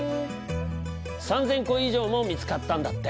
３，０００個以上も見つかったんだって。